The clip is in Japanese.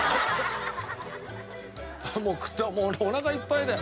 もうもう俺おなかいっぱいだよ。